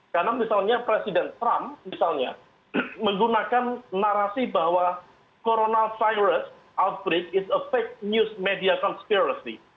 karena misalnya presiden trump misalnya menggunakan narasi bahwa coronavirus outbreak is a fake news media conspiracy